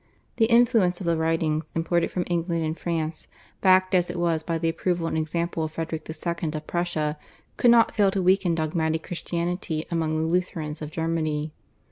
The influence of the writings imported from England and France, backed as it was by the approval and example of Frederick II. of Prussia, could not fail to weaken dogmatic Christianity among the Lutherans of Germany.